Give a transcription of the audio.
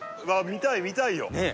見たい見たいよね